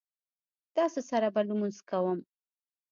تاسو سره لوبه کوم؟